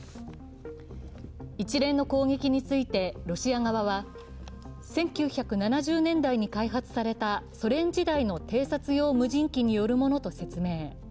一連の攻撃についてロシア側は、１９７０年代に開発されたソ連時代の偵察用無人機によるものと説明。